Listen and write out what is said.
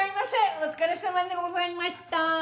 お疲れさまでございました。